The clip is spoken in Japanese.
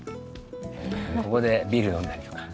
ここでビール飲んだりとか。